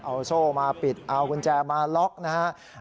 เอาโซ่มาปิดเอากุญแจมาล็อกนะครับ